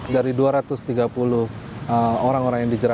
dari dua ratus tiga puluh orang orang yang dijerat